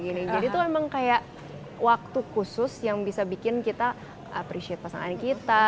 jadi itu memang kayak waktu khusus yang bisa bikin kita appreciate pasangan kita